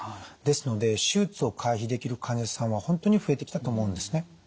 ですので手術を回避できる患者さんは本当に増えてきたと思うんですね。